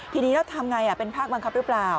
ทีนี้เราทำอย่างไรเป็นภาคบังคับหรือเปล่า